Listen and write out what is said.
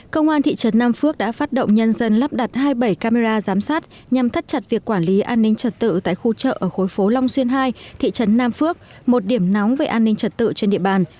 công an thị trấn nam phước đã phát động nhân dân lắp đặt hai mươi bảy camera giám sát nhằm thắt chặt việc quản lý an ninh trật tự tại khu chợ ở khối phố long xuyên hai thị trấn nam phước một điểm nóng về an ninh trật tự trên địa bàn